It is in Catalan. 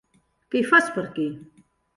Què fas per aquí?